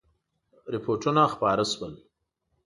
رپوټونه خپاره شول.